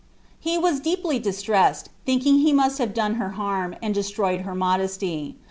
He was deeply distressed, thinking he must have done her harm, and destroyed her modesty.